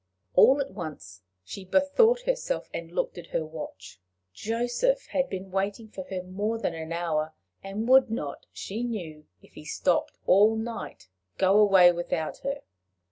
All at once she bethought herself, and looked at her watch: Joseph had been waiting for her more than an hour, and would not, she knew, if he stopped all night, go away without her!